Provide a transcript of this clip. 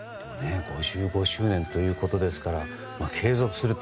５５周年ということですから継続するって